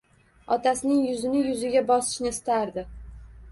Otasi-ning yuzini yuziga bosishini istardi.